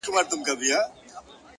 پرمختګ دوامداره حرکت غواړي.!